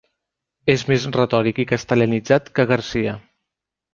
És més retòric i castellanitzat que Garcia.